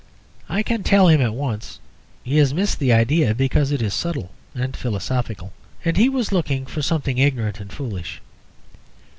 I can tell him at once. He has missed the idea because it is subtle and philosophical, and he was looking for something ignorant and foolish.